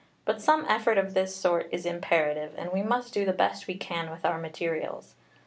But some effort of this sort is imperative, and we must do the best we can with our materials.